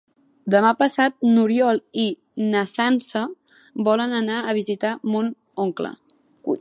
Demà passat n'Oriol i na Sança volen anar a visitar mon oncle.